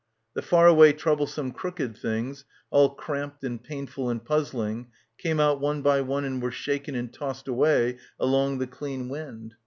The far away troublesome crooked things, all cramped and painful and puzzling came out one by one and were shaken and tossed away along the clean wind.